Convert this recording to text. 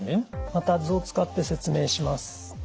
また図を使って説明します。